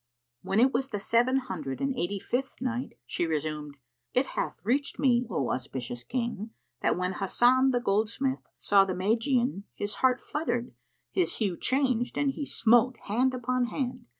When it was the Seven Hundred and Eighty fifth Night, She resumed, It hath reached me, O auspicious King, that when Hasan the goldsmith saw the Magian, his heart fluttered, his hue changed and he smote hand upon hand.